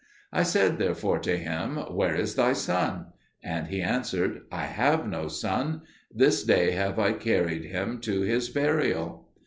I said therefore to him, "Where is thy son?" And he answered, "I have no son: this day have I carried him to his burial."